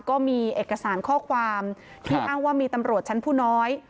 ก็มีเอกสารข้อความที่อ้างว่ามีตำรวจชั้นผู้น้อย